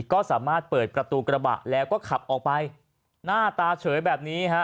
ก็สามารถเปิดประตูกระบะแล้วก็ขับออกไปหน้าตาเฉยแบบนี้ฮะ